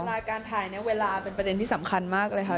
รายการถ่ายเนี่ยเวลาเป็นประเด็นที่สำคัญมากเลยค่ะ